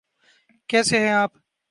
کیسے ہیں آپ؟